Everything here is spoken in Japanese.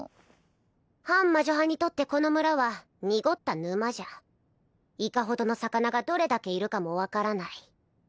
反魔女派にとってこの村は濁った沼じゃいかほどの魚がどれだけいるかも分からない